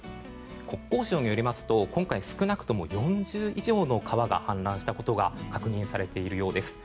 国交省によりますと今回、少なくとも４０以上の川が氾濫したことが確認されているようです。